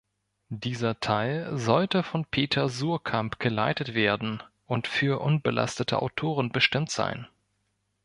Dieser Teil sollte von Peter Suhrkamp geleitet werden und für „unbelastete“ Autoren bestimmt sein.